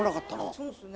そうですね。